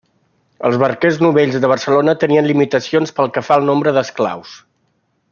Els barquers novells de Barcelona tenien limitacions pel que fa al nombre d’esclaus.